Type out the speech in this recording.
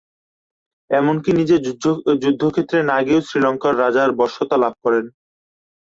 এমনকি নিজে যুদ্ধক্ষেত্রে না গিয়েও শ্রীলঙ্কার রাজার বশ্যতা লাভ করেন।